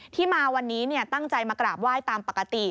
ที่มาวันนี้ตั้งใจมากราบไหว้ตามปกติ